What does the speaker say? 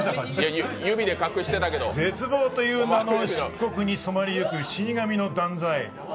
「絶望という名の漆黒に染まりゆく死神の断罪」